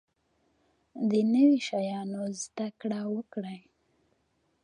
د نوي شیانو زده کړه وکړئ